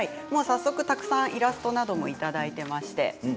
早速たくさんイラストなどもいただいています。